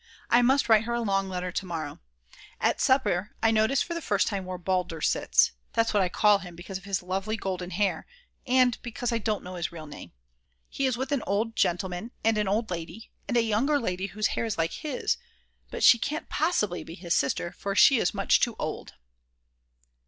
I must write her a long letter to morrow. At supper I noticed for the first time where "Balder" sits; that's what I call him because of his lovely golden hair, and because I don't know his real name. He is with an old gentleman and an old lady and a younger lady whose hair is like his, but she can't possibly be his sister for she is much too old.